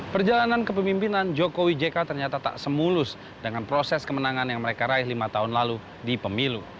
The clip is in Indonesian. perjalanan kepemimpinan jokowi jk ternyata tak semulus dengan proses kemenangan yang mereka raih lima tahun lalu di pemilu